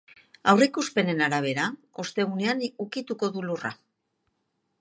Aurreikuspenen arabera, ostegunean ukituko du lurra.